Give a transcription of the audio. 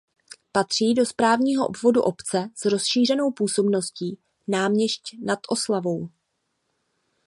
Patří do správního obvodu obce s rozšířenou působností Náměšť nad Oslavou.